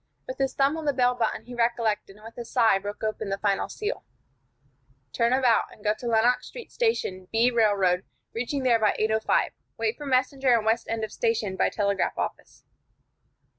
With his thumb on the bell button he recollected, and with a sigh broke open the final seal: "Turn about, and go to Lenox Street Station, B. Railroad, reaching there by 8:05. Wait for messenger in west end of station, by telegraph office."